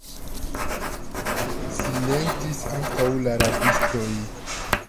Silentis ankaŭ la rabistoj.